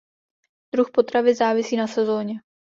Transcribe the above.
Druh potravy závisí na sezóně.